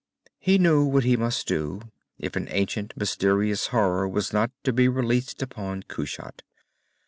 He knew what he must do, if an ancient, mysterious horror was not to be released upon Kushat.